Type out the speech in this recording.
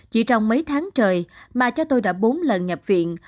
chỉ trong mấy tháng trời mà cha tôi đã bốn lần nhập viện